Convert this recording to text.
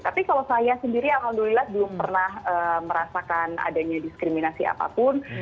tapi kalau saya sendiri alhamdulillah belum pernah merasakan adanya diskriminasi apapun